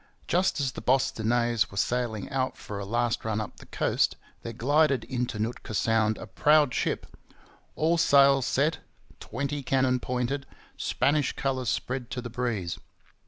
Just as the 'Bostonnais' were sailing out for a last run up the coast, there glided into Nootka Sound a proud ship all sails set, twenty cannon pointed, Spanish colours spread to the breeze.